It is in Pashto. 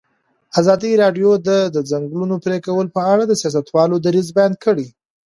ازادي راډیو د د ځنګلونو پرېکول په اړه د سیاستوالو دریځ بیان کړی.